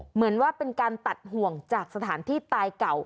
เหมือนว่าเป็นการตัดห่วงจากสถานที่ตายเก่า